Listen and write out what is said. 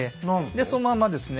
でそのまんまですね